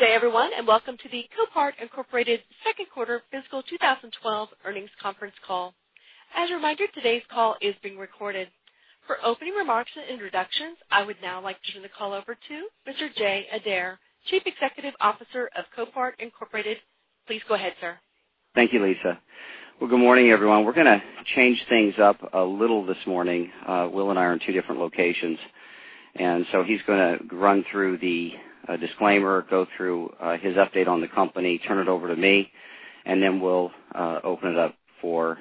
Good day, everyone, and welcome to the Copart Incorporated Second Quarter Fiscal 2012 Earnings Conference Call. As a reminder, today's call is being recorded. For opening remarks and introductions, I would now like to turn the call over to Mr. Jay Adair, Chief Executive Officer of Copart Incorporated. Please go ahead, sir. Thank you, Lisa. Good morning, everyone. We're going to change things up a little this morning. Will and I are in two different locations, and he's going to run through the disclaimer, go through his update on the company, turn it over to me, and then we'll open it up for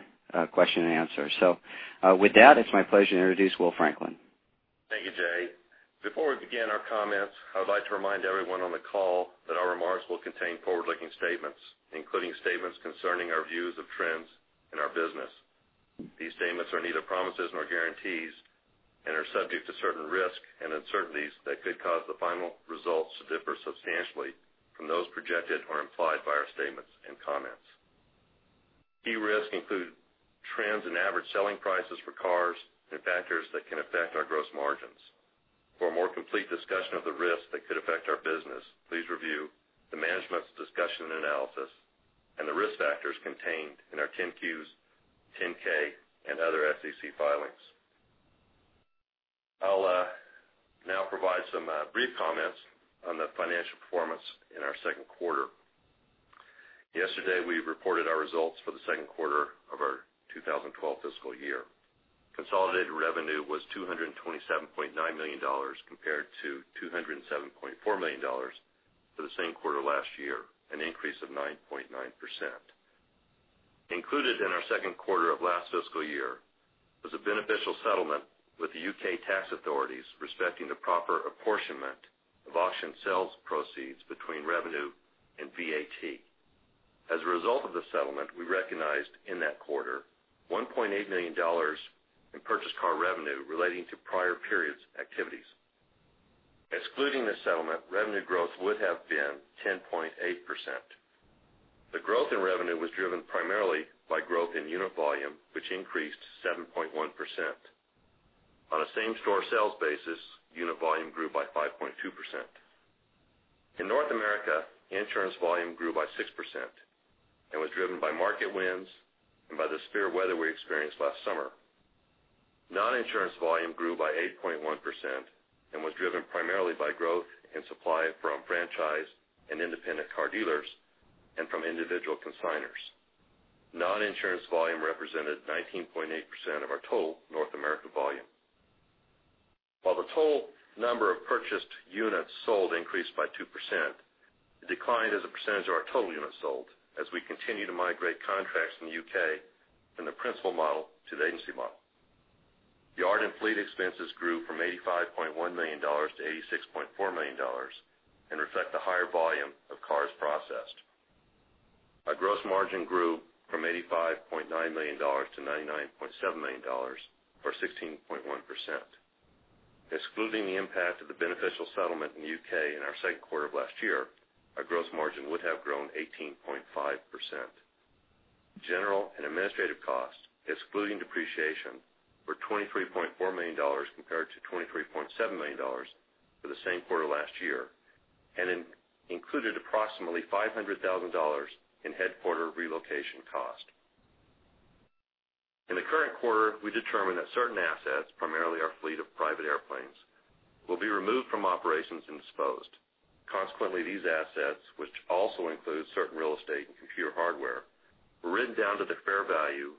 question and answer. With that, it's my pleasure to introduce Will Franklin. Thank you, Jay. Before we begin our comments, I would like to remind everyone on the call that our remarks will contain forward-looking statements, including statements concerning our views of trends in our business. These statements are neither promises nor guarantees and are subject to certain risks and uncertainties that could cause the final results to differ substantially from those projected or implied by our statements and comments. Key risks include trends in average selling prices for cars and factors that can affect our gross margins. For a more complete discussion of the risks that could affect our business, please review the management's discussion and analysis and the Risk Factors contained in our Form 10-Qs, Form 10-K, and other SEC filings. I'll now provide some brief comments on the financial performance in second quarter. Yesterday, we reported our results for second quarter of our 2012 fiscal year. Consolidated revenue was $227.9 million compared to $207.4 million for the same quarter last year, an increase of 9.9%. Included in second quarter of last fiscal year was a beneficial settlement with the U.K. tax authorities respecting the proper apportionment of auction sales proceeds between revenue and VAT. As a result of the settlement, we recognized in that quarter $1.8 million in purchased car revenue relating to prior periods' activities. Excluding the settlement, revenue growth would have been 10.8%. The growth in revenue was driven primarily by growth in unit volume, which increased 7.1%. On a same-store sales basis, unit volume grew by 5.2%. In North America, insurance volume grew by 6% and was driven by market winds and by the severe weather we experienced last summer. Non-insurance volume grew by 8.1% and was driven primarily by growth in supply from franchise and independent car dealers and from individual consignors. Non-insurance volume represented 19.8% of our total North American volume. While the total number of purchased units sold increased by 2%, it declined as a percentage of our total units sold as we continue to migrate contracts in the U.K. from the principal model to the agency model. Yard and fleet expenses grew from $85.1 million-$86.4 million and reflect the higher volume of cars processed. Our gross margin grew from $85.9 million-$99.7 million or 16.1%. Excluding the impact of the beneficial settlement in the U.K. in second quarter of last year, our gross margin would have grown 18.5%. General and administrative costs, excluding depreciation, were $23.4 million compared to $23.7 million for the same quarter last year and included approximately $500,000 in headquarter relocation cost. In the current quarter, we determined that certain assets, primarily our fleet of private airplanes, will be removed from operations and disposed. Consequently, these assets, which also include certain real estate and computer hardware, were written down to their fair value,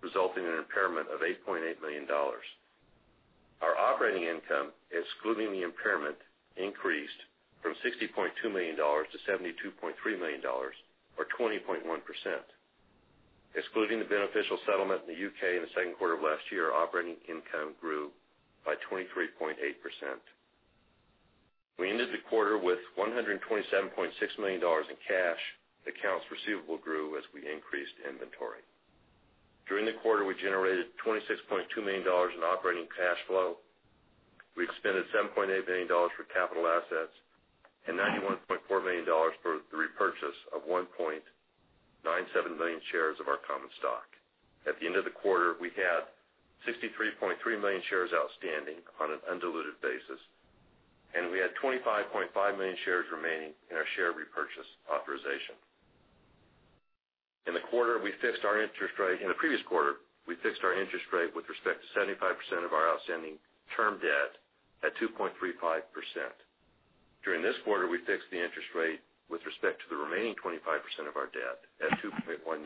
resulting in an impairment of $8.8 million. Our operating income, excluding the impairment, increased from $60.2 million-$72.3 million or 20.1%. Excluding the beneficial settlement in the U.K. in second quarter of last year, our operating income grew by 23.8%. We ended the quarter with $127.6 million in cash. Accounts receivable grew as we increased inventory. During the quarter, we generated $26.2 million in operating cash flow. We expended $7.8 million for capital assets and $91.4 million for the repurchase of 1.97 million shares of our common stock. At the end of the quarter, we had 63.3 million shares outstanding on an undiluted basis, and we had 25.5 million shares remaining in our share repurchase authorization. In the quarter, we fixed our interest rate in the previous quarter, we fixed our interest rate with respect to 75% of our outstanding term debt at 2.35%. During this quarter, we fixed the interest rate with respect to the remaining 25% of our debt at 2.19%,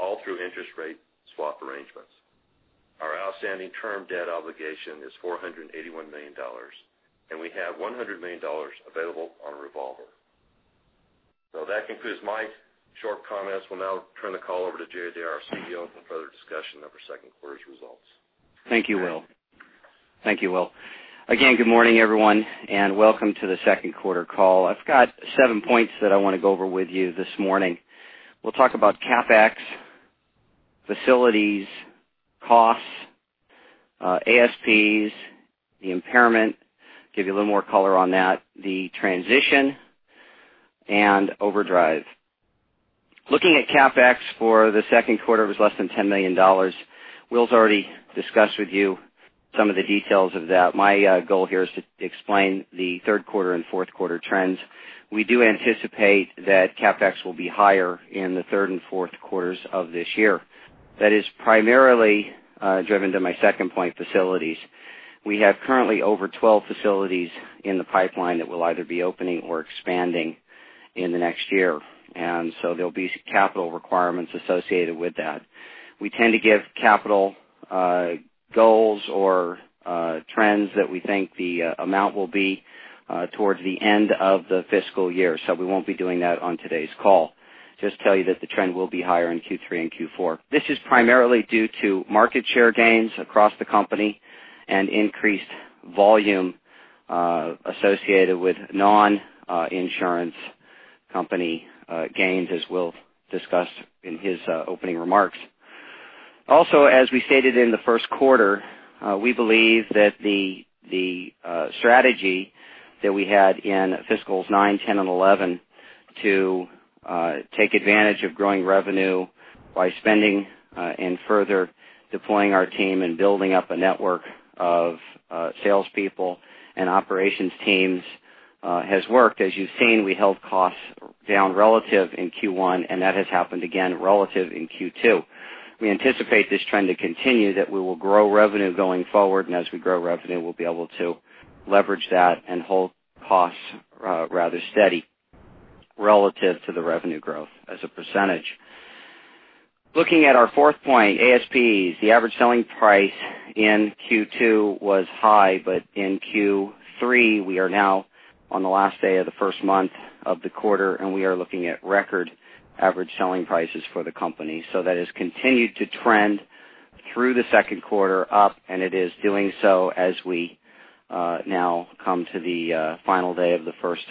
all through interest rate swap arrangements. Our outstanding term debt obligation is $481 million, and we have $100 million available on a revolver. That concludes my short comments. We'll now turn the call over to Jay Adair, our CEO, for further discussion of second quarter's results. Thank you, Will. Good morning, everyone, and welcome to second quarter call. I've got seven points that I want to go over with you this morning. We'll talk about CapEx, facilities and costs, ASPs, the impairment, give you a little more color on that, the transition, and Overdrive. Looking at CapEx for second quarter, it was less than $10 million. Will's already discussed with you some of the details of that. My goal here is to explain third quarter and fourth quarter trends. We do anticipate that CapEx will be higher in the third and fourth quarters of this year. That is primarily driven to my second point, facilities. We have currently over 12 facilities in the pipeline that will either be opening or expanding in the next year, and there will be capital requirements associated with that. We tend to give capital goals or trends that we think the amount will be towards the end of the fiscal year, so we won't be doing that on today's call. The trend will be higher in Q3 and Q4. This is primarily due to market share gains across the company and increased volume associated with non-insurance company gains, as Will discussed in his opening remarks. As we stated in first quarter, we believe that the strategy that we had in fiscals 2009, 2010, and 2011 to take advantage of growing revenue by spending and further deploying our team and building up a network of salespeople and operations teams has worked. As you've seen, we held costs down relative in Q1, and that has happened again relative in Q2. We anticipate this trend to continue, that we will grow revenue going forward, and as we grow revenue, we'll be able to leverage that and hold costs rather steady relative to the revenue growth as a percentage. Looking at our fourth point, ASPs, the average selling price in Q2 was high, but in Q3, we are now on the last day of the first month of the quarter, and we are looking at record average selling prices for the company. That has continued to trend through second quarter up, and it is doing so as we now come to the final day of the first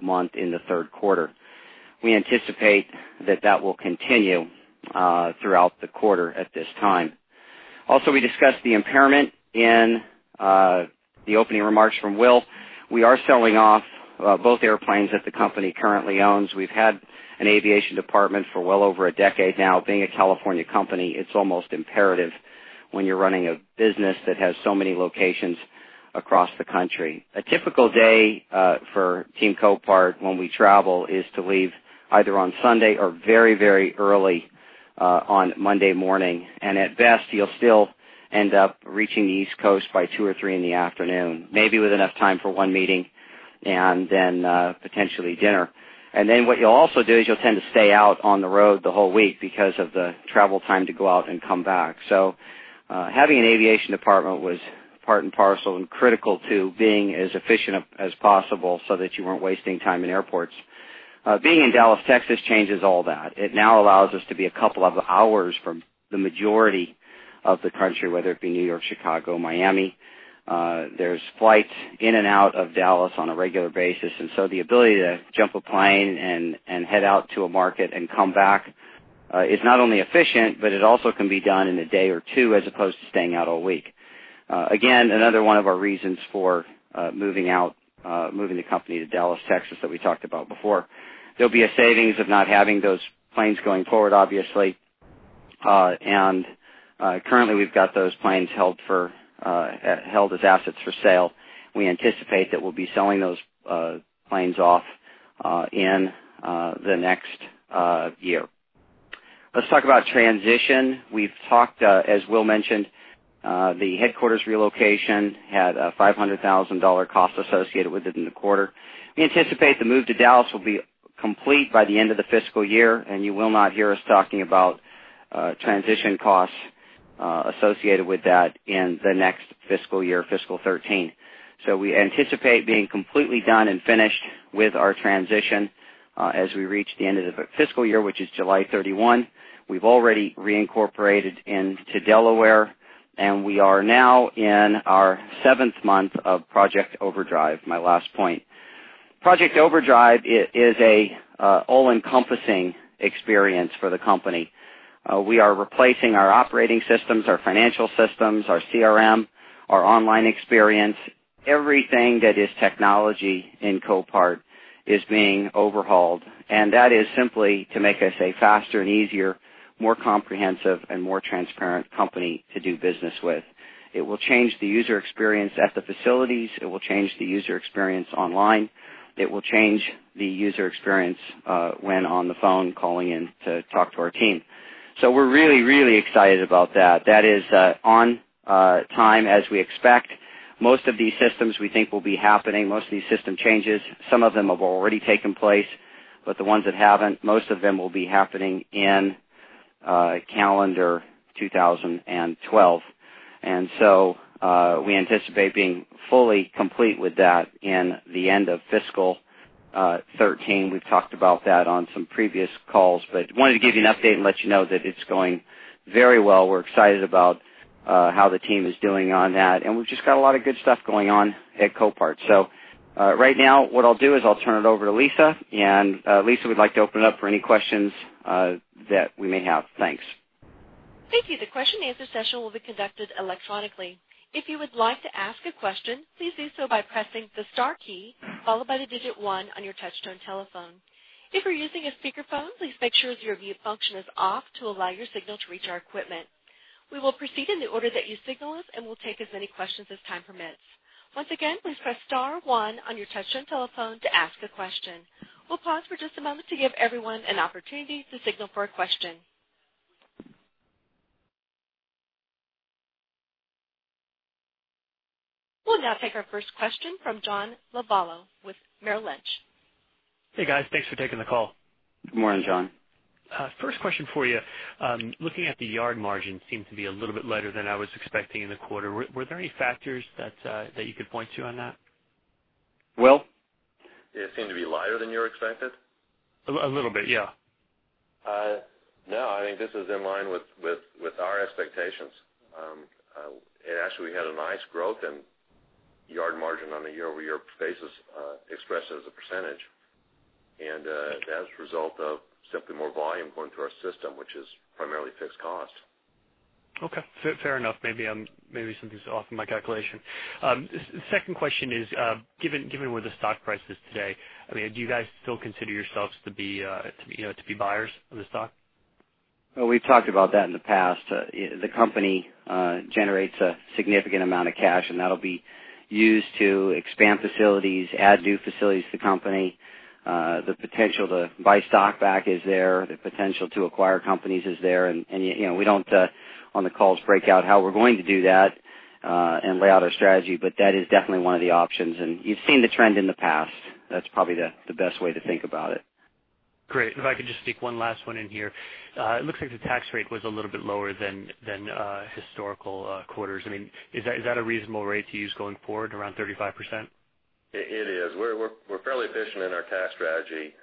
month in third quarter. We anticipate that will continue throughout the quarter at this time. We discussed the impairment in the opening remarks from Will. We are selling off both airplanes that the company currently owns. We've had an aviation department for well over a decade now. Being a California company, it's almost imperative when you're running a business that has so many locations across the country. A typical day for Team Copart when we travel is to leave either on Sunday or very, very early on Monday morning, and at best, you'll still end up reaching the East Coast by 2:00 P.M. or 3:00 P.M., maybe with enough time for one meeting and then potentially dinner. What you'll also do is you'll tend to stay out on the road the whole week because of the travel time to go out and come back. Having an aviation department was part and parcel and critical to being as efficient as possible so that you weren't wasting time in airports. Being in Dallas, Texas, changes all that. It now allows us to be a couple of hours from the majority of the country, whether it be New York, Chicago, Miami. There are flights in and out of Dallas on a regular basis, and the ability to jump a plane and head out to a market and come back is not only efficient, but it also can be done in a day or two as opposed to staying out all week. Again, another one of our reasons for moving the company to Dallas, Texas, that we talked about before. There will be a savings of not having those planes going forward, obviously. Currently, we've got those planes held as assets for sale. We anticipate that we'll be selling those planes off in the next year. Let's talk about transition. As Will mentioned, the headquarters relocation had a $500,000 cost associated with it in the quarter. We anticipate the move to Dallas will be complete by the end of the fiscal year, and you will not hear us talking about transition costs associated with that in the next fiscal year, fiscal 2013. We anticipate being completely done and finished with our transition as we reach the end of the fiscal year, which is July 31. We've already reincorporated into Delaware, and we are now in our seventh month of Project Overdrive, my last point. Project Overdrive is an all-encompassing experience for the company. We are replacing our operating systems, our financial systems, our CRM, our online experience. Everything that is technology in Copart is being overhauled, and that is simply to make us a faster and easier, more comprehensive, and more transparent company to do business with. It will change the user experience at the facilities. It will change the user experience online. It will change the user experience when on the phone calling in to talk to our team. We're really, really excited about that. That is on time, as we expect. Most of these systems, we think, will be happening. Most of these system changes, some of them have already taken place, but the ones that haven't, most of them will be happening in calendar 2012. We anticipate being fully complete with that in the end of fiscal 2013. We've talked about that on some previous calls, but I wanted to give you an update and let you know that it's going very well. We're excited about how the team is doing on that, and we've just got a lot of good stuff going on at Copart. Right now, what I'll do is turn it over to Lisa, and Lisa, we'd like to open it up for any questions that we may have. Thanks. Thank you. The question and answer session will be conducted electronically. If you would like to ask a question, please do so by pressing the star key followed by the digit one on your touch-tone telephone. If you're using a speakerphone, please make sure your mute function is off to allow your signal to reach our equipment. We will proceed in the order that you signal us and will take as many questions as time permits. Once again, please press star one on your touch-tone telephone to ask a question. We'll pause for just a moment to give everyone an opportunity to signal for a question. We'll now take our first question from John Lovallo with Merrill Lynch. Hey, guys. Thanks for taking the call. Good morning, John. First question for you. Looking at the yard margin, it seems to be a little bit lighter than I was expecting in the quarter. Were there any factors that you could point to on that? Will? It seemed to be lighter than you expected? A little bit, yeah. No, I think this is in line with our expectations. Actually, we had a nice growth in yard margin on a year-over-year basis expressed as a percentage, and that's a result of simply more volume going to our system, which is primarily fixed cost. Okay. Fair enough. Maybe something's off in my calculation. The second question is, given where the stock price is today, do you guys still consider yourselves to be buyers of the stock? We talked about that in the past. The company generates a significant amount of cash, and that'll be used to expand facilities, add new facilities to the company. The potential to buy stock back is there. The potential to acquire companies is there. We don't, on the calls, break out how we're going to do that and lay out our strategy, but that is definitely one of the options. You've seen the trend in the past. That's probably the best way to think about it. Great. If I could just sneak one last one in here, it looks like the tax rate was a little bit lower than historical quarters. Is that a reasonable rate to use going forward, around 35%? It is. We're fairly efficient in our tax strategy.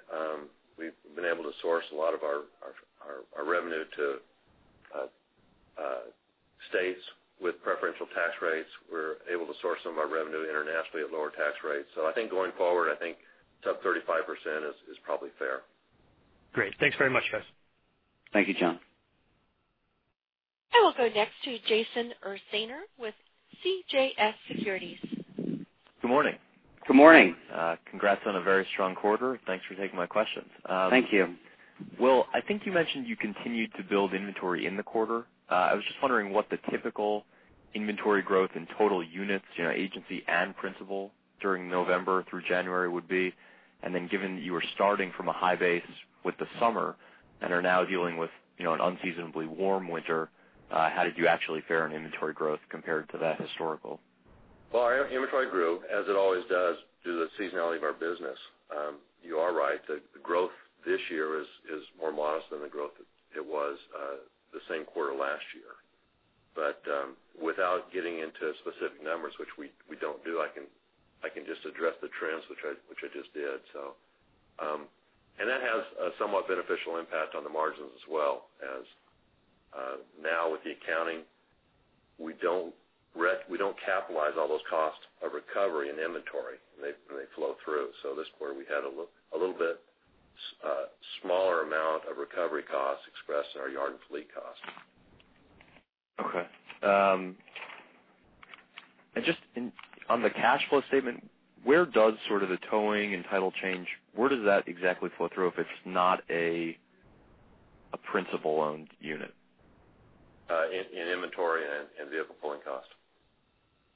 We've been able to source a lot of our revenue to states with preferential tax rates. We're able to source some of our revenue internationally at lower tax rates. I think going forward, I think sub-35% is probably fair. Great. Thanks very much, guys. Thank you, John. I will go next to Jason Ursaner with CJS Securities. Good morning. Good morning. Congrats on a very strong quarter. Thanks for taking my questions. Thank you. Will, I think you mentioned you continued to build inventory in the quarter. I was just wondering what the typical inventory growth in total units, you know, agency and principal during November through January would be. Given that you were starting from a high base with the summer and are now dealing with an unseasonably warm winter, how did you actually fare in inventory growth compared to that historical? Our inventory grew, as it always does, due to the seasonality of our business. You are right. The growth this year is more modest than the growth that it was the same quarter last year. Without getting into specific numbers, which we don't do, I can just address the trends, which I just did. That has a somewhat beneficial impact on the margins as well. With the accounting, we don't capitalize on all those costs of recovery in inventory, and they flow through. This quarter, we had a little bit smaller amount of recovery costs expressed in our yard and fleet cost. Okay. Just on the cash flow statement, where does the towing and title change, where does that exactly flow through if it's not a principal-owned unit? In inventory and vehicle pulling cost.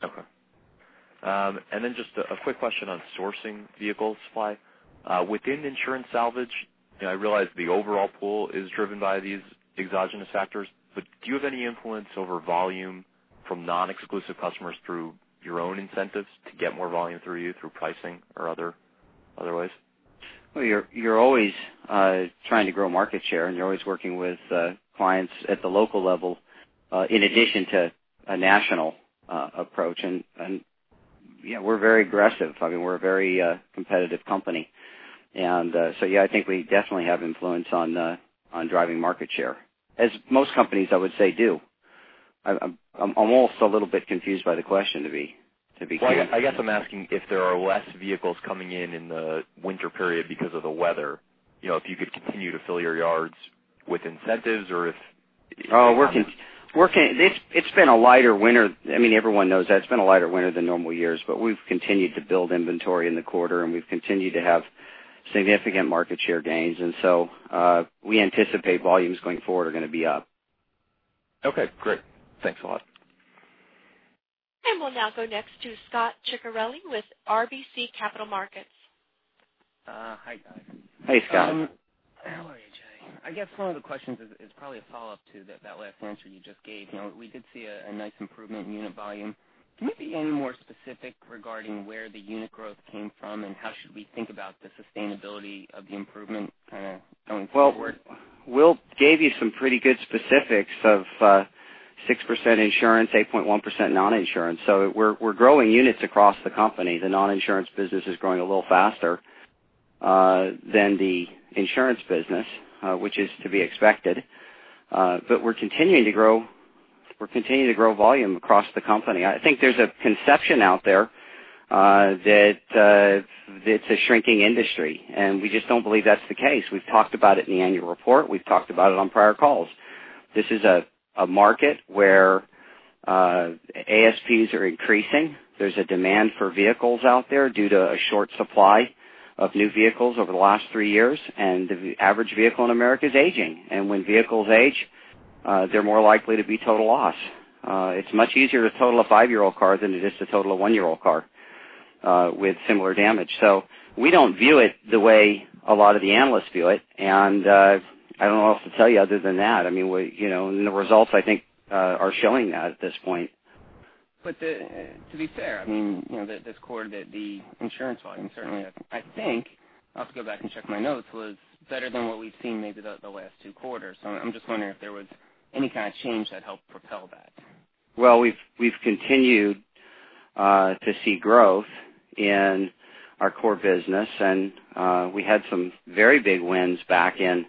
Okay. Just a quick question on sourcing vehicle supply. Within insurance salvage, I realize the overall pool is driven by these exogenous factors, but do you have any influence over volume from non-exclusive customers through your own incentives to get more volume through you, through pricing or other ways? You're always trying to grow market share, and you're always working with clients at the local level in addition to a national approach. We're very aggressive. I mean, we're a very competitive company, so I think we definitely have an influence on driving market share, as most companies, I would say, do. I'm almost a little bit confused by the question, to be clear. I guess I'm asking if there are less vehicles coming in in the winter period because of the weather. You know, if you could continue to fill your yards with incentives or if. We're working. It's been a lighter winter. I mean, everyone knows that it's been a lighter winter than normal years, but we've continued to build inventory in the quarter, and we've continued to have significant market share gains. We anticipate volumes going forward are going to be up. Okay, great. Thanks a lot. We will now go next to Scot Ciccarelli with RBC Capital Markets. Hi, guys. Hey, Scott. How are you, Jay? I guess one of the questions is probably a follow-up to that last answer you just gave. You know, we did see a nice improvement in unit volume. Can you be any more specific regarding where the unit growth came from, and how should we think about the sustainability of the improvement going forward? Will gave you some pretty good specifics of 6% insurance, 8.1% non-insurance. We're growing units across the company. The non-insurance business is growing a little faster than the insurance business, which is to be expected. We're continuing to grow volume across the company. I think there's a conception out there that it's a shrinking industry, and we just don't believe that's the case. We've talked about it in the annual report. We've talked about it on prior calls. This is a market where ASPs are increasing. There's a demand for vehicles out there due to a short supply of new vehicles over the last three years, and the average vehicle in America is aging. When vehicles age, they're more likely to be total loss. It's much easier to total a five-year-old car than it is to total a one-year-old car with similar damage. We don't view it the way a lot of the analysts view it. I don't know what else to tell you other than that. I mean, you know, and the results, I think, are showing that at this point. To be fair, this quarter, the insurance volume certainly, I think, was better than what we've seen maybe the last two quarters. I'm just wondering if there was any kind of change that helped propel that. We've continued to see growth in our core business, and we had some very big wins back in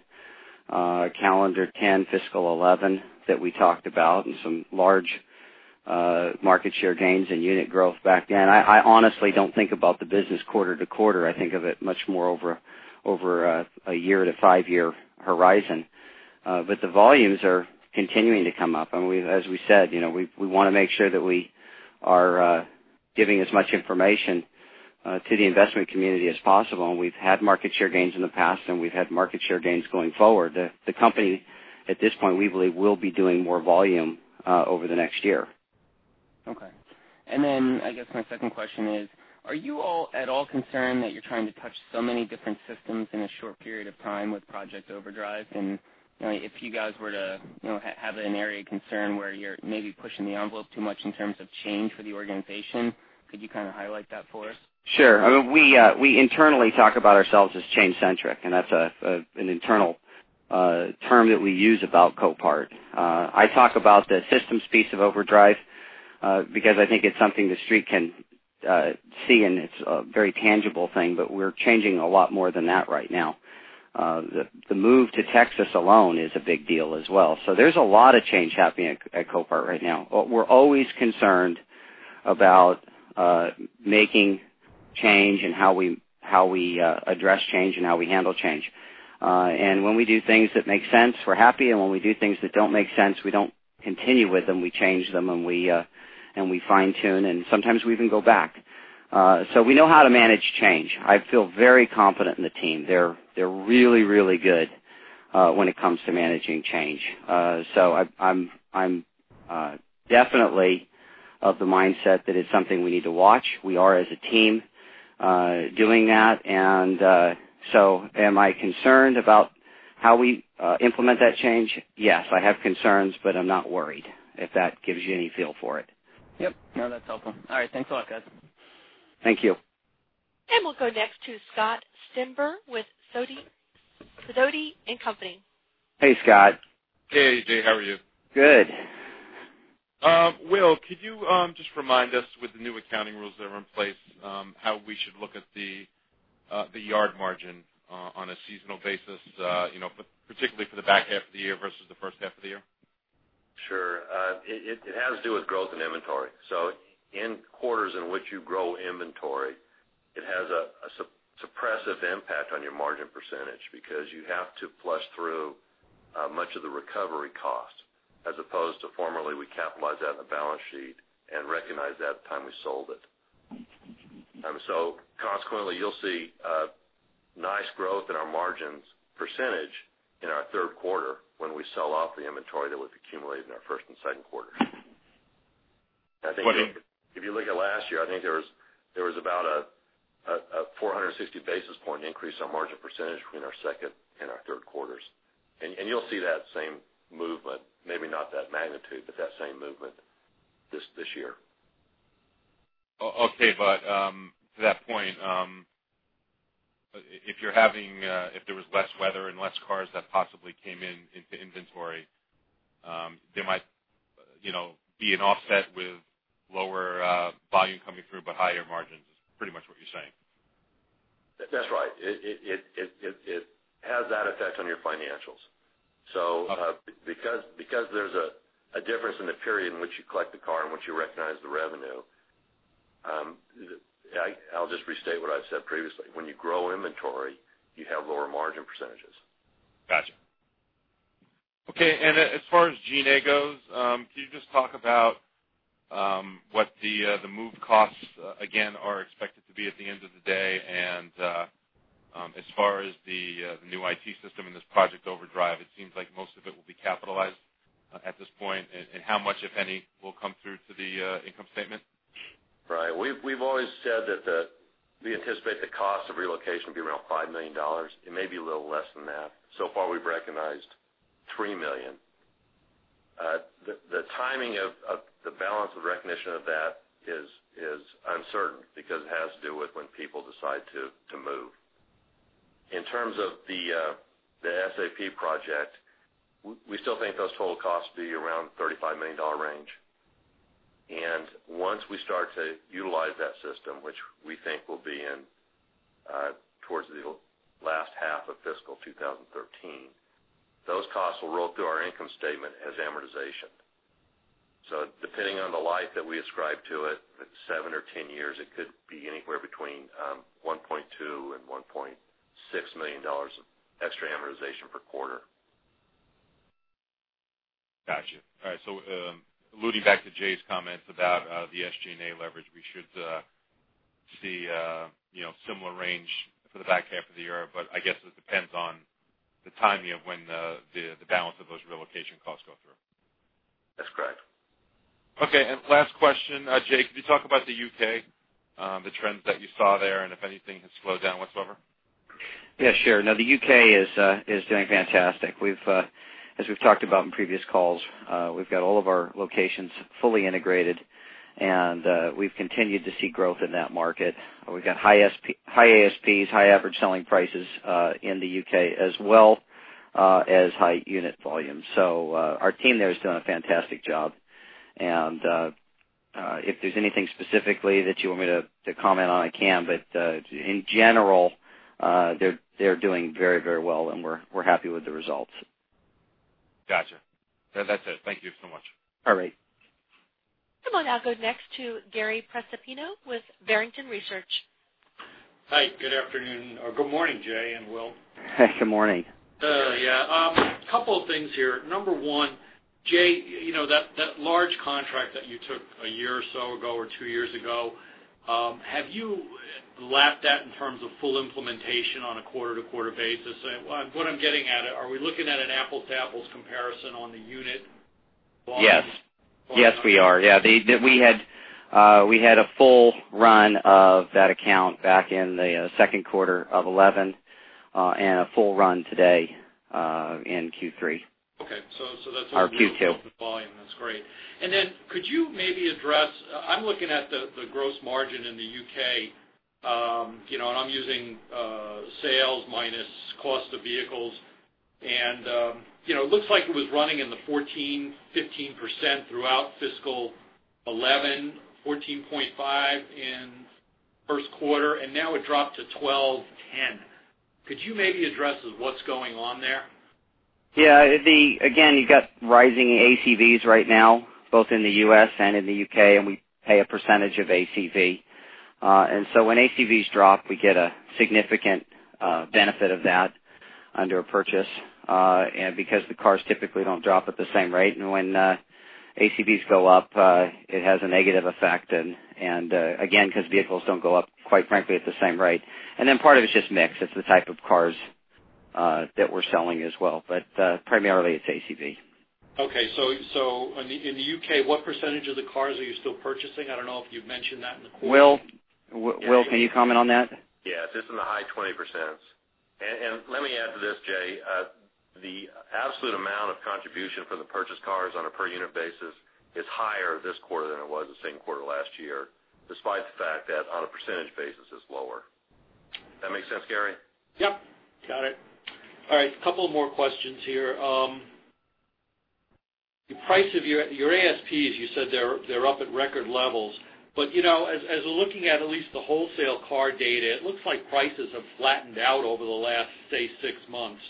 calendar 2010, fiscal 2011 that we talked about and some large market share gains and unit growth back then. I honestly don't think about the business quarter to quarter. I think of it much more over a year to five-year horizon. The volumes are continuing to come up. As we said, you know, we want to make sure that we are giving as much information to the investment community as possible. We've had market share gains in the past, and we've had market share gains going forward. The company, at this point, we believe will be doing more volume over the next year. Okay. I guess my second question is, are you all at all concerned that you're trying to touch so many different systems in a short period of time with Project Overdrive? If you guys were to have an area of concern where you're maybe pushing the envelope too much in terms of change for the organization, could you kind of highlight that for us? Sure. I mean, we internally talk about ourselves as change-centric, and that's an internal term that we use about Copart. I talk about the systems piece of Project Overdrive because I think it's something the street can see, and it's a very tangible thing, but we're changing a lot more than that right now. The move to Dallas, Texas alone is a big deal as well. There's a lot of change happening at Copart right now. We're always concerned about making change, how we address change, and how we handle change. When we do things that make sense, we're happy, and when we do things that don't make sense, we don't continue with them. We change them, we fine-tune, and sometimes we even go back. We know how to manage change. I feel very confident in the team. They're really, really good when it comes to managing change. I'm definitely of the mindset that it's something we need to watch. We are, as a team, doing that. I am concerned about how we implement that change. Yes, I have concerns, but I'm not worried, if that gives you any feel for it. Yes, no, that's helpful. All right, thanks a lot, guys. Thank you. We'll go next to Scott Stember with Sidoti & Company. Hey, Scott. Hey, Jay. How are you? Good. Will, could you just remind us, with the new accounting rules that are in place, how we should look at the yard margin on a seasonal basis, particularly for the back half of the year versus the first half of the year? Sure. It has to do with growth in inventory. In quarters in which you grow inventory, it has a suppressive impact on your margin percentage because you have to flush through much of the recovery cost, as opposed to formerly, we capitalized that in the balance sheet and recognized that at the time we sold it. Consequently, you'll see a nice growth in our margin percentage in third quarter when we sell off the inventory that we've accumulated in our first second quarter. I think if you look at last year, I think there was about a 460 basis point increase in our margin percentage between our second and third quarters. You'll see that same movement, maybe not that magnitude, but that same movement this year. Okay. To that point, if there was less weather and less cars that possibly came into inventory, there might be an offset with lower volume coming through, but higher margins is pretty much what you're saying. That's right. It has that effect on your financials. Because there's a difference in the period in which you collect the car and which you recognize the revenue, I'll just restate what I said previously. When you grow inventory, you have lower margin percentages. Gotcha. Okay. As far as G&A goes, can you just talk about what the move costs, again, are expected to be at the end of the day? As far as the new IT system in this Project Overdrive, it seems like most of it will be capitalized at this point. How much, if any, will come through to the income statement? Right. We've always said that we anticipate the cost of relocation will be around $5 million. It may be a little less than that. So far, we've recognized $3 million. The timing of the balance of recognition of that is uncertain because it has to do with when people decide to move. In terms of the SAP project, we still think those total costs will be around the $35 million range. Once we start to utilize that system, which we think will be towards the last half of fiscal 2013, those costs will roll through our income statement as amortization. Depending on the life that we ascribe to it, at 7 or 10 years, it could be anywhere between $1.2 million and $1.6 million of extra amortization per quarter. Gotcha. All right. Alluding back to Jay's comments about the SG&A leverage, we should see a similar range for the back half of the year, but I guess it depends on the timing of when the balance of those relocation costs go through. That's correct. Okay. Last question, Jay, could you talk about the U.K., the trends that you saw there, and if anything has slowed down whatsoever? Yeah, sure. No, the U.K. is doing fantastic. As we've talked about in previous calls, we've got all of our locations fully integrated, and we've continued to see growth in that market. We've got high ASPs, high average selling prices in the U.K. as well as high unit volume. Our team there is doing a fantastic job. If there's anything specifically that you want me to comment on, I can, but in general, they're doing very, very well, and we're happy with the results. Gotcha. That's it. Thank you so much. All right. We will now go next to Gary Prestopino with Barrington Research. Hi. Good afternoon or good morning, Jay and Will. Hi, good morning. Yeah. A couple of things here. Number one, Jay, you know that large contract that you took a year or so ago or two years ago, have you lapped that in terms of full implementation on a quarter-to-quarter basis? What I'm getting at, are we looking at an apples-to-apples comparison on the unit volume? Yes, we are. We had a full run of that account back in second quarter of 2011 and a full run today in Q3. Okay, that's a great volume. Our Q2. That's great. Could you maybe address, I'm looking at the gross margin in the U.K., you know, and I'm using sales minus cost of vehicles. You know, it looks like it was running in the 14%, 15% throughout fiscal 2011, 14.5% in first quarter, and now it dropped to 12%, 10%. Could you maybe address what's going on there? Yeah. Again, you've got rising ACVs right now, both in the U.S. and in the U.K., and we pay a percentage of ACV. When ACVs drop, we get a significant benefit of that under a purchase because the cars typically don't drop at the same rate. When ACVs go up, it has a negative effect, because vehicles don't go up, quite frankly, at the same rate. Part of it's just mix. It's the type of cars that we're selling as well. Primarily, it's ACV. Okay. In the U.K., what percentage of the cars are you still purchasing? I don't know if you've mentioned that in the quarter. Will, can you comment on that? Yeah. It's just in the high 20%. Let me add to this, Jay. The absolute amount of contribution from the purchased cars on a per-unit basis is higher this quarter than it was the same quarter last year, despite the fact that on a percentage basis, it's lower. Does that make sense, Gary? Got it. All right. A couple more questions here. The price of your ASPs, you said they're up at record levels. As we're looking at at least the wholesale car data, it looks like prices have flattened out over the last, say, six months.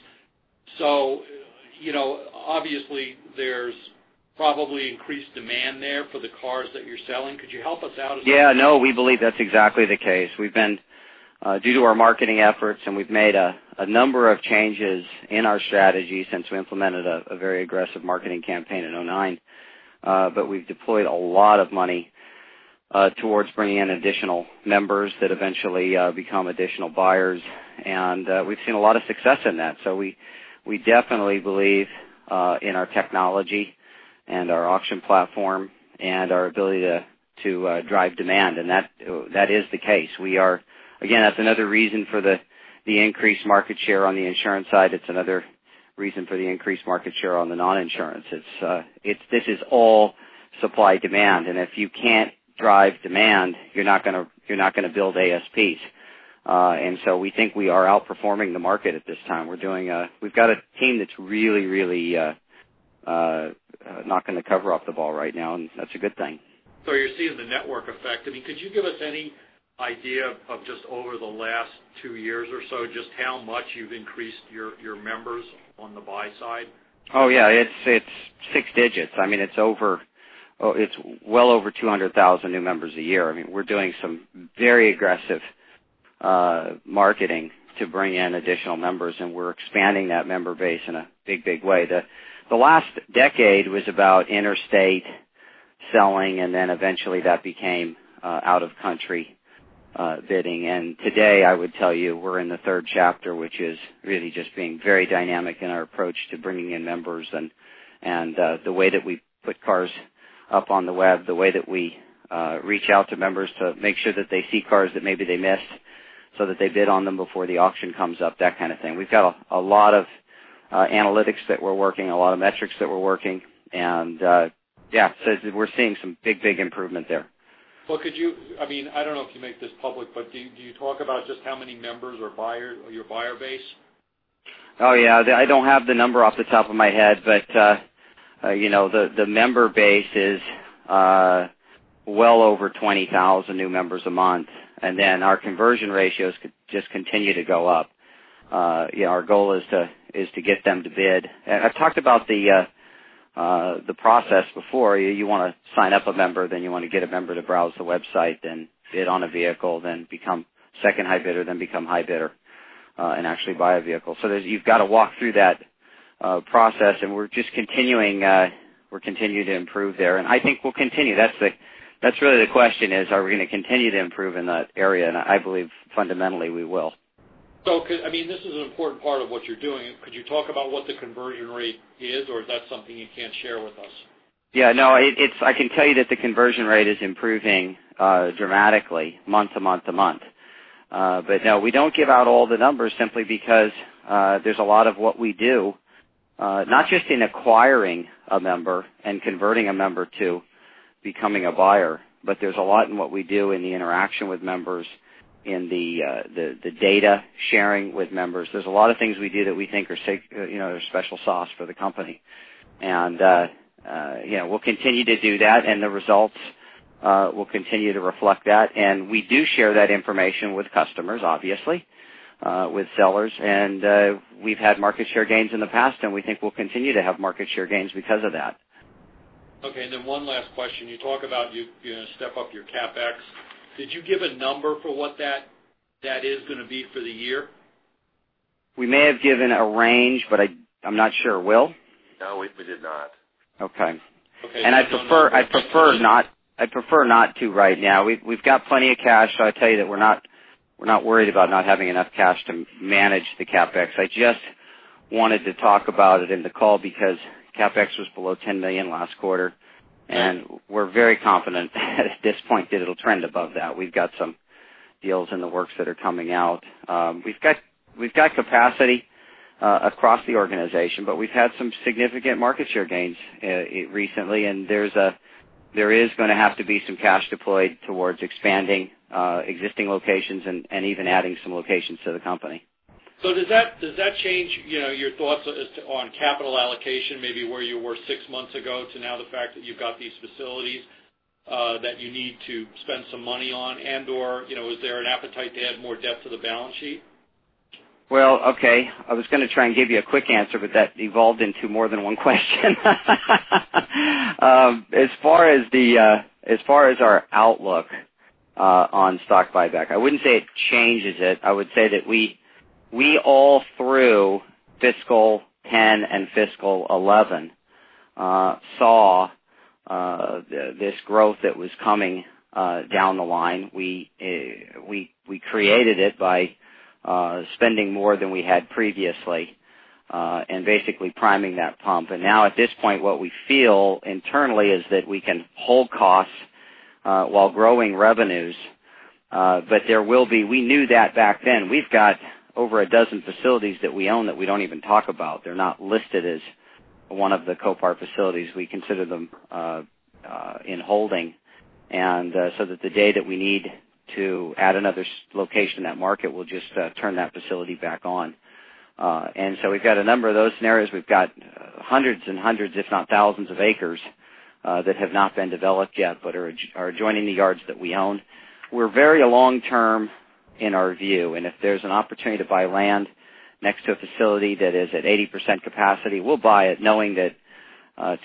Obviously, there's probably increased demand there for the cars that you're selling. Could you help us out? Yeah. No, we believe that's exactly the case. We've been, due to our marketing efforts, and we've made a number of changes in our strategy since we implemented a very aggressive marketing campaign in 2009. We've deployed a lot of money towards bringing in additional members that eventually become additional buyers. We've seen a lot of success in that. We definitely believe in our technology and our auction platform and our ability to drive demand. That is the case. Again, that's another reason for the increased market share on the insurance side. It's another reason for the increased market share on the non-insurance. This is all supply-demand. If you can't drive demand, you're not going to build ASPs. We think we are outperforming the market at this time. We've got a team that's really, really not going to cover up the ball right now, and that's a good thing. You're seeing the network effect. Could you give us any idea of just over the last two years or so just how much you've increased your members on the buy side? Oh, yeah. It's six digits. I mean, it's over, it's well over 200,000 new members a year. We're doing some very aggressive marketing to bring in additional members, and we're expanding that member base in a big, big way. The last decade was about interstate selling, and eventually, that became out-of-country bidding. Today, I would tell you we're in the third chapter, which is really just being very dynamic in our approach to bringing in members. The way that we put cars up on the web, the way that we reach out to members to make sure that they see cars that maybe they miss so that they bid on them before the auction comes up, that kind of thing. We've got a lot of analytics that we're working, a lot of metrics that we're working. We're seeing some big, big improvement there. Could you, I mean, I don't know if you make this public, but do you talk about just how many members or buyers your buyer base? Oh, yeah. I don't have the number off the top of my head, but you know the member base is well over 20,000 new members a month. Our conversion ratios just continue to go up. Our goal is to get them to bid. I've talked about the process before. You want to sign up a member, then you want to get a member to browse the website, then bid on a vehicle, then become second high bidder, then become high bidder, and actually buy a vehicle. You have to walk through that process, and we're just continuing to improve there. I think we'll continue. That's really the question, are we going to continue to improve in that area? I believe, fundamentally, we will. This is an important part of what you're doing. Could you talk about what the conversion rate is, or is that something you can't share with us? Yeah. No, I can tell you that the conversion rate is improving dramatically month to month to month. We don't give out all the numbers simply because there's a lot of what we do, not just in acquiring a member and converting a member to becoming a buyer, but there's a lot in what we do in the interaction with members, in the data sharing with members. There are a lot of things we do that we think are special sauce for the company. You know we'll continue to do that, and the results will continue to reflect that. We do share that information with customers, obviously, with sellers. We've had market share gains in the past, and we think we'll continue to have market share gains because of that. Okay. One last question. You talk about you're going to step up your CapEx. Could you give a number for what that is going to be for the year? We may have given a range, but I'm not sure it Will. No, we did not. Okay. I'd prefer not to right now. We've got plenty of cash, so I tell you that we're not worried about not having enough cash to manage the CapEx. I just wanted to talk about it in the call because CapEx was below $10 million last quarter, and we're very confident at this point that it'll trend above that. We've got some deals in the works that are coming out. We've got capacity across the organization, but we've had some significant market share gains recently, and there is going to have to be some cash deployed towards expanding existing locations and even adding some locations to the company. Does that change your thoughts on capital allocation, maybe where you were six months ago to now, the fact that you've got these facilities that you need to spend some money on? Is there an appetite to add more depth to the balance sheet? I was going to try and give you a quick answer, but that evolved into more than one question. As far as our outlook on stock buyback, I wouldn't say it changes it. I would say that we, all through fiscal 2010 and fiscal 2011, saw this growth that was coming down the line. We created it by spending more than we had previously and basically priming that pump. At this point, what we feel internally is that we can hold costs while growing revenues, but we knew that back then. We've got over a dozen facilities that we own that we don't even talk about. They're not listed as one of the Copart facilities. We consider them in holding, so the day that we need to add another location, that market will just turn that facility back on. We've got a number of those scenarios. We've got hundreds and hundreds, if not thousands, of acres that have not been developed yet but are joining the yards that we own. We're very long-term in our view. If there's an opportunity to buy land next to a facility that is at 80% capacity, we'll buy it knowing that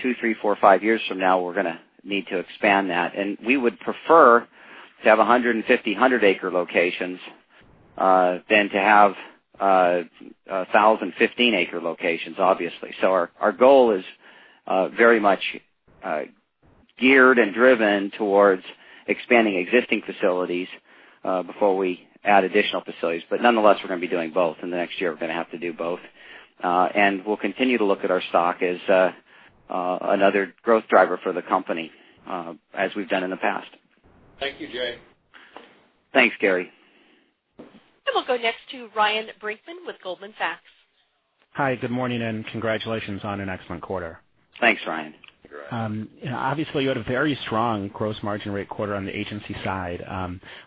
two, three, four, five years from now, we're going to need to expand that. We would prefer to have 150 hundred-acre locations than to have 1,000 fifteen-acre locations, obviously. Our goal is very much geared and driven towards expanding existing facilities before we add additional facilities. Nonetheless, we're going to be doing both. In the next year, we're going to have to do both. We'll continue to look at our stock as another growth driver for the company, as we've done in the past. Thank you, Jay. Thanks, Gary. We will go next to Ryan Brinkman with Goldman Sachs. Hi. Good morning, and congratulations on an excellent quarter. Thanks, Ryan. Obviously, you had a very strong gross margin rate quarter on the agency side.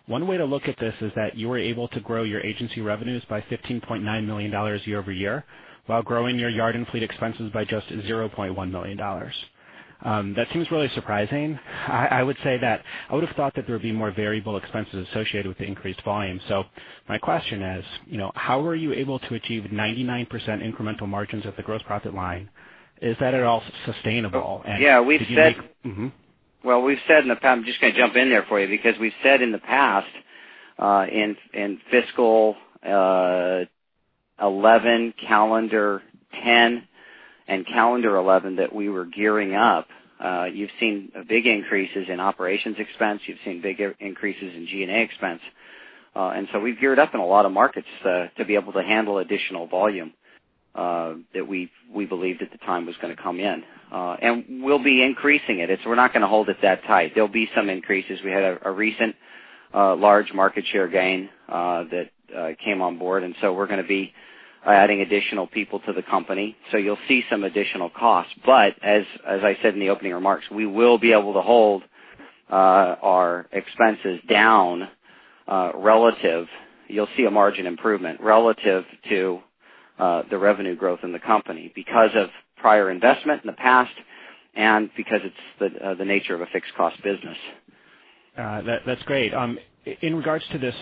One way to look at this is that you were able to grow your agency revenues by $15.9 million year-over-year while growing your yard and fleet expenses by just $0.1 million. That seems really surprising. I would say that I would have thought that there would be more variable expenses associated with the increased volume. My question is, you know, how were you able to achieve 99% incremental margins at the gross profit line? Is that at all sustainable? Yeah. We've said in the past, I'm just going to jump in there for you because we've said in the past, in fiscal 2011, calendar 2010 and calendar 2011, that we were gearing up. You've seen big increases in operations expense. You've seen big increases in G&A expense. We’ve geared up in a lot of markets to be able to handle additional volume that we believed at the time was going to come in. We’ll be increasing it. We're not going to hold it that tight. There'll be some increases. We had a recent large market share gain that came on board. We're going to be adding additional people to the company. You'll see some additional costs. As I said in the opening remarks, we will be able to hold our expenses down relative. You'll see a margin improvement relative to the revenue growth in the company because of prior investment in the past and because it's the nature of a fixed-cost business. That's great. In regards to this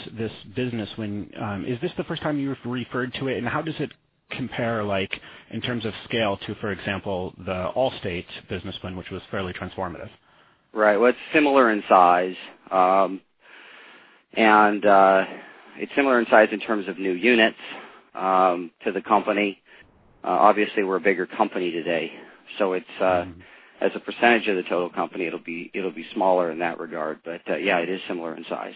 business, is this the first time you've referred to it? How does it compare in terms of scale to, for example, the Allstate business, which was fairly transformative? Right. It's similar in size, and it's similar in size in terms of new units to the company. Obviously, we're a bigger company today, so as a percentage of the total company, it'll be smaller in that regard. Yeah, it is similar in size.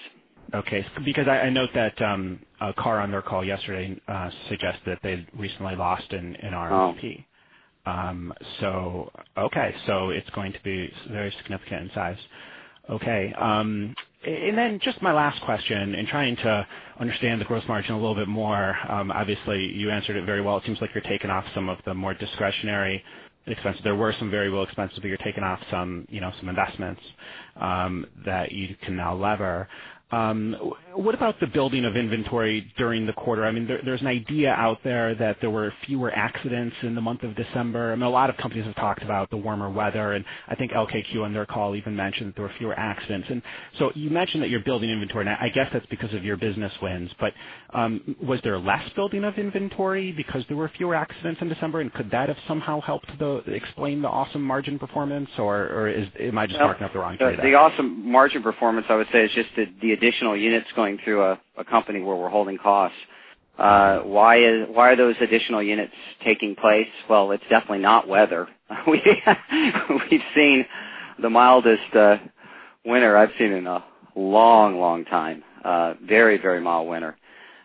Okay. Because I note that Copart on their call yesterday suggested that they recently lost in R&D. Oh. Okay, it's going to be very significant in size. Okay, and then just my last question in trying to understand the gross margin a little bit more. Obviously, you answered it very well. It seems like you're taking off some of the more discretionary expenses. There were some variable expenses, but you're taking off some investments that you can now lever. What about the building of inventory during the quarter? I mean, there's an idea out there that there were fewer accidents in the month of December. A lot of companies have talked about the warmer weather. I think LKQ on their call even mentioned that there were fewer accidents. You mentioned that you're building inventory, and I guess that's because of your business wins. Was there less building of inventory because there were fewer accidents in December? Could that have somehow helped explain the awesome margin performance, or am I just marking up the wrong tray there? The awesome margin performance, I would say, is just the additional units going through a company where we're holding costs. Why are those additional units taking place? It is definitely not weather. We've seen the mildest winter I've seen in a long, long time, very, very mild winter.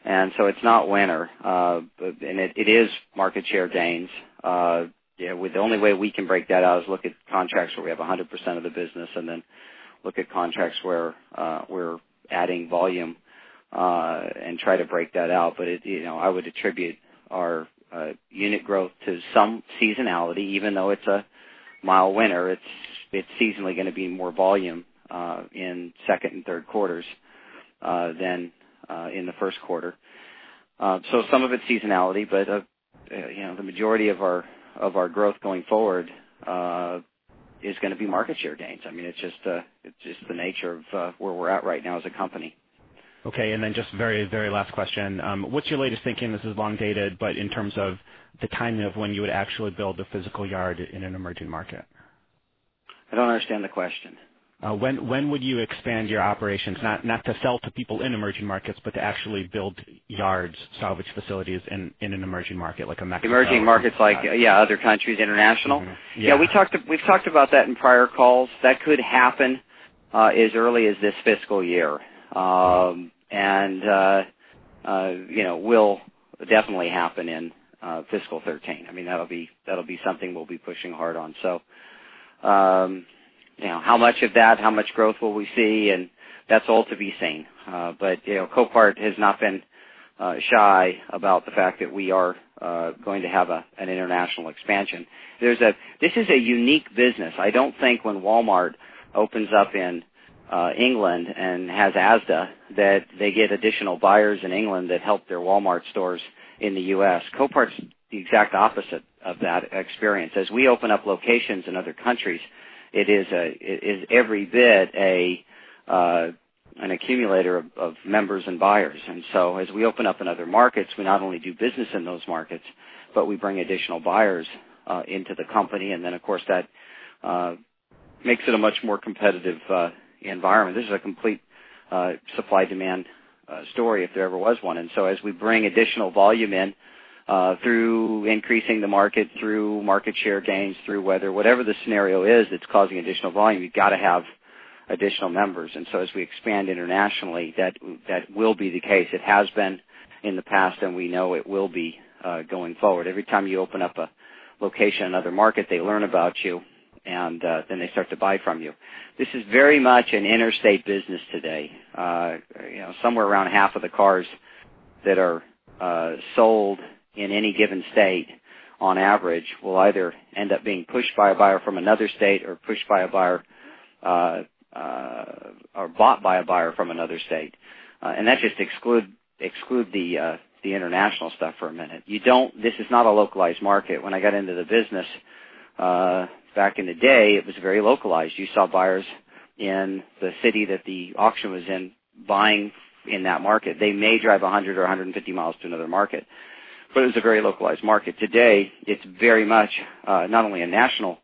It is not winter. It is market share gains. The only way we can break that out is look at contracts where we have 100% of the business and then look at contracts where we're adding volume and try to break that out. I would attribute our unit growth to some seasonality. Even though it's a mild winter, it's seasonally going to be more volume in Second third quarters than in first quarter. Some of it's seasonality, but the majority of our growth going forward is going to be market share gains. I mean, it's just the nature of where we're at right now as a company. Okay. Just a very, very last question. What's your latest thinking? This is long-dated, but in terms of the timing of when you would actually build a physical yard in an emerging market? I don't understand the question. When would you expand your operations, not to sell to people in emerging markets, but to actually build yards, salvage facilities in an emerging market like a Mexican market? Emerging markets like other countries, international? Yeah. Yeah. We've talked about that in prior calls. That could happen as early as this fiscal year. It will definitely happen in fiscal 2013. I mean, that'll be something we'll be pushing hard on. How much of that, how much growth will we see? That's all to be seen. Copart has not been shy about the fact that we are going to have an international expansion. This is a unique business. I don't think when Walmart opens up in England and has ASDA that they get additional buyers in England that help their Walmart stores in the U.S. Copart's the exact opposite of that experience. As we open up locations in other countries, it is every bit an accumulator of members and buyers. As we open up in other markets, we not only do business in those markets, but we bring additional buyers into the company. Of course, that makes it a much more competitive environment. This is a complete supply-demand story if there ever was one. As we bring additional volume in through increasing the market, through market share gains, through weather, whatever the scenario is that's causing additional volume, you've got to have additional members. As we expand internationally, that will be the case. It has been in the past, and we know it will be going forward. Every time you open up a location in another market, they learn about you, and then they start to buy from you. This is very much an interstate business today. Somewhere around half of the cars that are sold in any given state on average will either end up being pushed by a buyer from another state or bought by a buyer from another state. That's just to exclude the international stuff for a minute. This is not a localized market. When I got into the business back in the day, it was very localized. You saw buyers in the city that the auction was in buying in that market. They may drive 100 or 150 miles to another market. It was a very localized market. Today, it's very much not only a national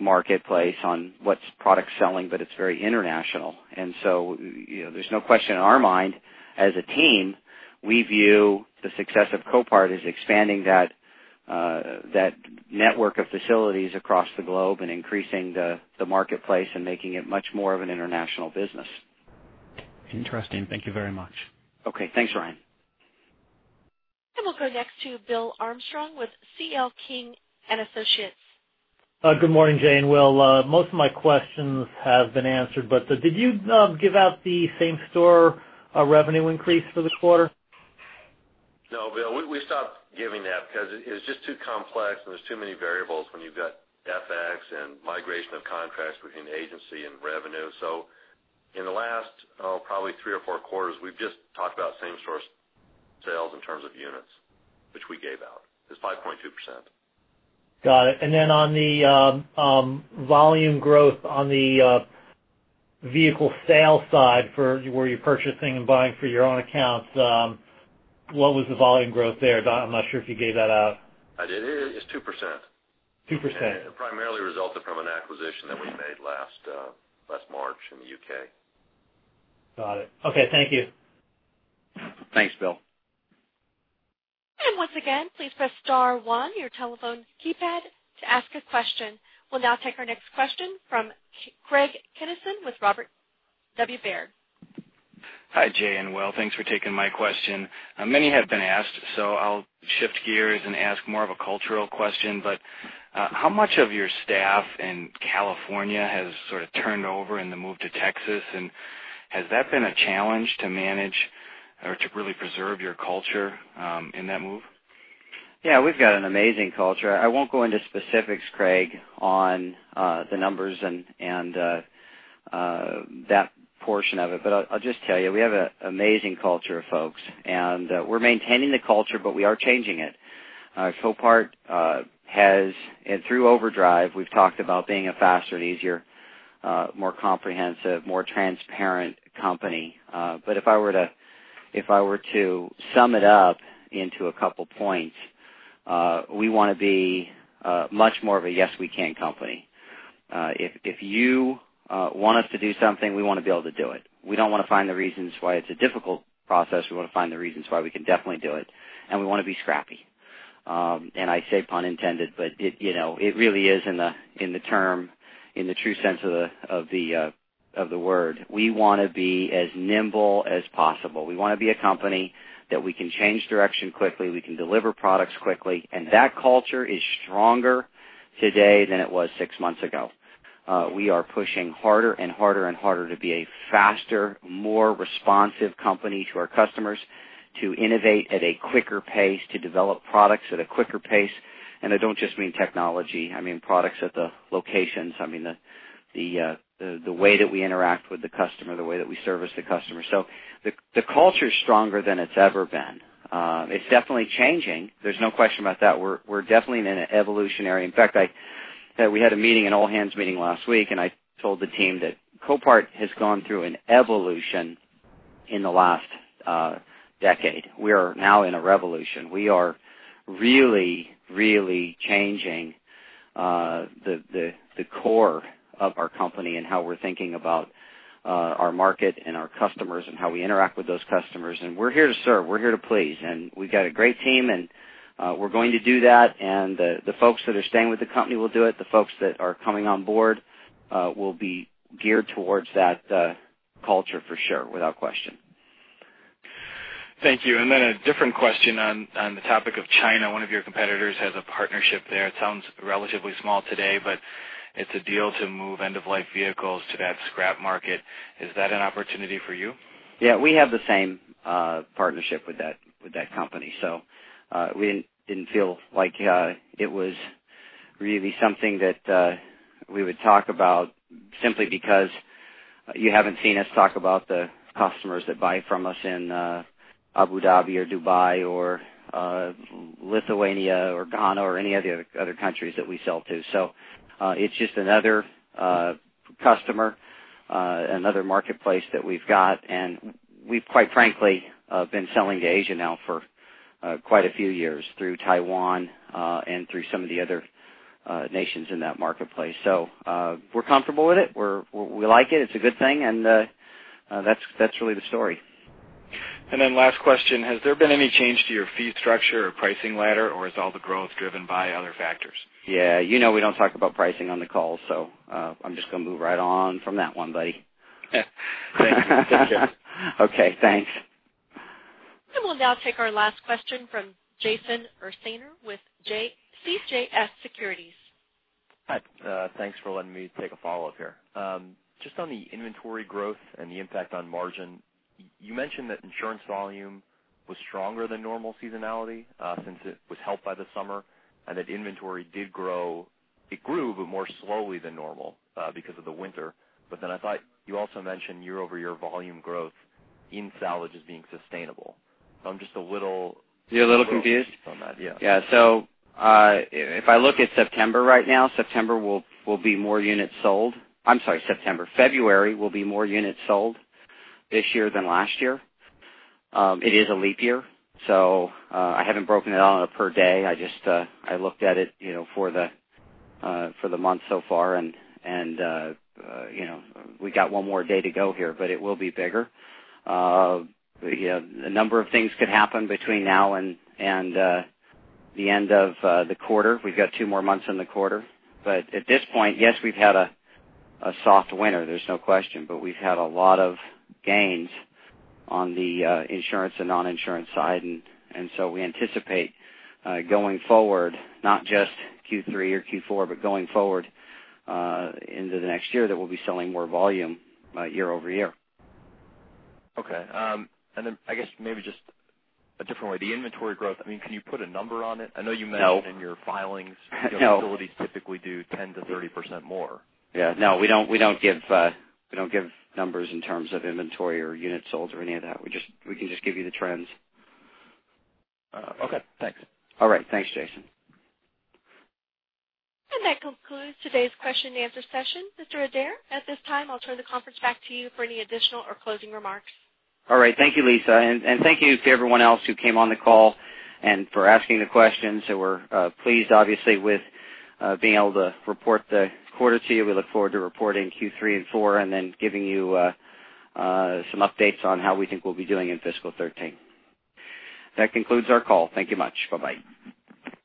marketplace on what's product selling, but it's very international. There's no question in our mind, as a team, we view the success of Copart as expanding that network of facilities across the globe and increasing the marketplace and making it much more of an international business. Interesting. Thank you very much. Okay. Thanks, Ryan. We will go next to Will Armstrong with CL King & Associates. Good morning, Jay and Will. Most of my questions have been answered, but did you give out the same-store revenue increase for the quarter? No, Will. We stopped giving that because it was just too complex, and there's too many variables when you've got CapEx and migration of contracts between agency and revenue. In the last probably three or four quarters, we've just talked about same-store sales in terms of units, which we gave out. It's 5.2%. Got it. On the volume growth on the vehicle sale side for where you're purchasing and buying for your own accounts, what was the volume growth there? I'm not sure if you gave that out. I did. It's 2%. 2%. It primarily resulted from an acquisition that we made last March in the U.K.. Got it. Okay, thank you. Thanks, Will. Please press star one on your telephone keypad to ask a question. We'll now take our next question from Craig Kennison with Baird. Hi, Jay and Will. Thanks for taking my question. Many have been asked, so I'll shift gears and ask more of a cultural question. How much of your staff in California has sort of turned over in the move to Texas? Has that been a challenge to manage or to really preserve your culture in that move? Yeah. We've got an amazing culture. I won't go into specifics, Craig, on the numbers and that portion of it, but I'll just tell you, we have an amazing culture of folks. We're maintaining the culture, but we are changing it. Copart has, through Project Overdrive, we've talked about being a faster and easier, more comprehensive, more transparent company. If I were to sum it up into a couple of points, we want to be much more of a yes, we can company. If you want us to do something, we want to be able to do it. We don't want to find the reasons why it's a difficult process. We want to find the reasons why we can definitely do it. We want to be scrappy. I say pun intended, but it really is in the true sense of the word. We want to be as nimble as possible. We want to be a company that can change direction quickly. We can deliver products quickly. That culture is stronger today than it was six months ago. We are pushing harder and harder to be a faster, more responsive company to our customers, to innovate at a quicker pace, to develop products at a quicker pace. I don't just mean technology. I mean products at the locations, the way that we interact with the customer, the way that we service the customer. The culture is stronger than it's ever been. It's definitely changing. There's no question about that. We're definitely in an evolutionary phase. In fact, we had a meeting, an all-hands meeting last week, and I told the team that Copart has gone through an evolution in the last decade. We are now in a revolution. We are really, really changing the core of our company and how we're thinking about our market and our customers and how we interact with those customers. We're here to serve. We're here to please. We've got a great team, and we're going to do that. The folks that are staying with the company will do it. The folks that are coming on board will be geared towards that culture, for sure, without question. Thank you. A different question on the topic of China. One of your competitors has a partnership there. It sounds relatively small today, but it's a deal to move end-of-life vehicles to that scrap market. Is that an opportunity for you? Yeah. We have the same partnership with that company. We didn't feel like it was really something that we would talk about simply because you haven't seen us talk about the customers that buy from us in Abu Dhabi, Dubai, Lithuania, Ghana, or any of the other countries that we sell to. It's just another customer, another marketplace that we've got. We've, quite frankly, been selling to Asia now for quite a few years through Taiwan and through some of the other nations in that marketplace. We're comfortable with it. We like it. It's a good thing. That's really the story. Has there been any change to your fee structure or pricing ladder, or is all the growth driven by other factors? Yeah, you know we don't talk about pricing on the calls, so I'm just going to move right on from that one, buddy. Yeah, thanks. Take care. Okay. Thanks. We will now take our last question from Jason Ursaner with CJS Securities. Hi. Thanks for letting me take a follow-up here. Just on the inventory growth and the impact on margin, you mentioned that insurance volume was stronger than normal seasonality since it was helped by the summer and that inventory did grow, it grew, but more slowly than normal because of the winter. I thought you also mentioned year-over-year volume growth in salvage is being sustainable. I'm just a little. You're a little confused? On that, yeah. Yeah. If I look at September right now, September will be more units sold. I'm sorry, September. February will be more units sold this year than last year. It is a leap year. I haven't broken it all on a per day. I just looked at it, you know, for the month so far. We've got one more day to go here, but it will be bigger. A number of things could happen between now and the end of the quarter. We've got two more months in the quarter. At this point, yes, we've had a soft winter, there's no question, but we've had a lot of gains on the insurance and non-insurance side. We anticipate going forward, not just Q3 or Q4, but going forward into the next year that we'll be selling more volume year-over-year. Okay. I guess maybe just a different way, the inventory growth, I mean, can you put a number on it? I know you mentioned in your filings your facilities typically do 10%-30% more. Yeah, no, we don't give numbers in terms of inventory or units sold or any of that. We can just give you the trends. Okay. Thanks. All right. Thanks, Jason. That concludes today's question and answer session, Mr. Adair. At this time, I'll turn the conference back to you for any additional or closing remarks. All right. Thank you, Lisa. Thank you to everyone else who came on the call and for asking the questions. We're pleased, obviously, with being able to report the quarter to you. We look forward to reporting Q3 and Q4 and then giving you some updates on how we think we'll be doing in fiscal 2013. That concludes our call. Thank you much. Bye-bye.